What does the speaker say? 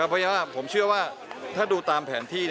เพราะฉะนั้นผมเชื่อว่าถ้าดูตามแผนที่